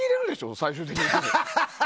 最終的に。